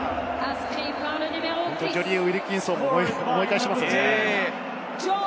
ジョニー・ウィルキンソンを思い返しますよね。